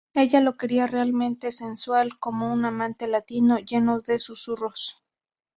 Ella lo quería realmente sensual, como un amante latino -lleno de susurros.